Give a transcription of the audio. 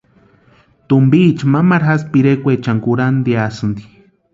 Tumpiecha mamaru jásï pirekwaechani kurhantiasïnti.